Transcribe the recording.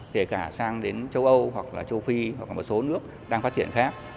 kể cả sang đến châu âu hoặc là châu phi hoặc là một số nước đang phát triển khác